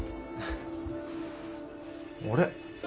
あれ？